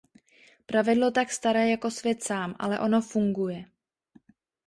Pravidlo tak staré jako svět sám, ale ono funguje.